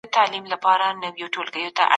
د نفس په خوښه نه ګرزېدل کېږي.